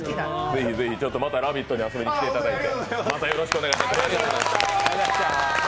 ぜひぜひまた「ラヴィット！」に遊びに来ていただいて。